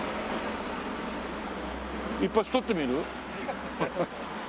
一発撮ってみる？